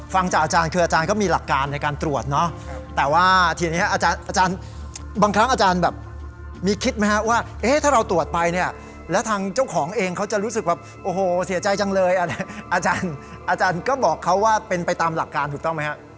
ฟังจากอาจารย์คืออาจารย์ก็มีหลักการในการตรวจเนาะแต่ว่าทีนี้อาจารย์บางครั้งอาจารย์แบบมีคิดไหมฮะว่าเอ๊ะถ้าเราตรวจไปเนี่ยแล้วทางเจ้าของเองเขาจะรู้สึกแบบโอ้โหเสียใจจังเลยอาจารย์ก็บอกเขาว่าเป็นไปตามหลักการถูกต้องไหมฮะ